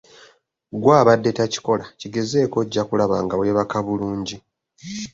Gwe abadde takikola kigezeeko ojja kulaba nga weebaka bulungi